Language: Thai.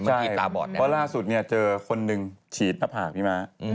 เพราะล่าสุดเจอคนหนึ่งฉีดหน้าผากที่มา